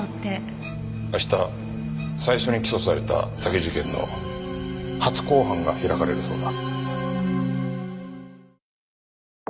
明日最初に起訴された詐欺事件の初公判が開かれるそうだ。